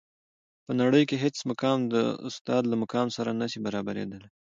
په نړۍ کي هیڅ مقام د استاد له مقام سره نسي برابري دلای.